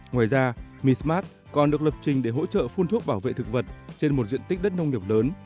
ngoài ra mismart còn được lập trình để hỗ trợ phun thuốc bảo vệ thực vật trên một diện tích đất nông nghiệp lớn